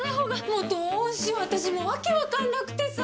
もうどうしよう私もう訳分かんなくてさ。